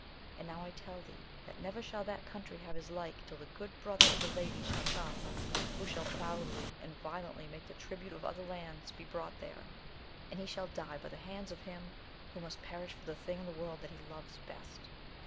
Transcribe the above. And now I tell thee, that never shall that country have his like, till the good brother of the Lady shall come, who shall proudly and vio lently make the tribute of other lands be brought there, and he shall die by the hands of him who must perish for the thing in the world that he loves best.